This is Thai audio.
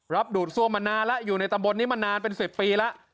ดูดซ่วมมานานแล้วอยู่ในตำบลนี้มานานเป็น๑๐ปีแล้ว